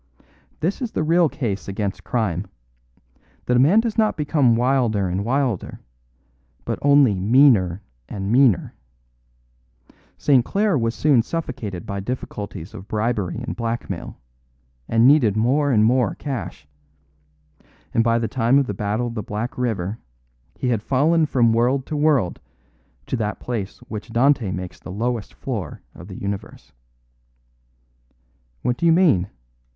This is the real case against crime, that a man does not become wilder and wilder, but only meaner and meaner. St. Clare was soon suffocated by difficulties of bribery and blackmail; and needed more and more cash. And by the time of the Battle of the Black River he had fallen from world to world to that place which Dante makes the lowest floor of the universe." "What do you mean?"